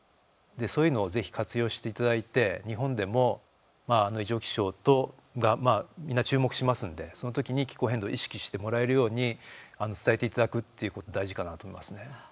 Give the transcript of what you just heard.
そういうのをぜひ活用していただいて日本でも異常気象がみんな注目しますのでその時に気候変動を意識してもらえるように伝えていただくっていうこと大事かなと思いますね。